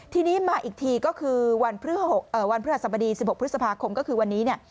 ที่นี่มาอีกทีก็คือวันพฤษภาคม๑๖พฤษภาคมก็คือวันนี้